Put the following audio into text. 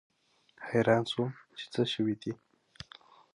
حیران شوم چې څه شوي دي.